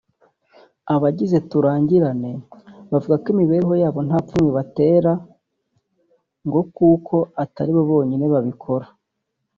Abagize Turangirane bavuga ko imibereho yabo nta pfunwe ibatera ngo kuko atari bo bonyine babikora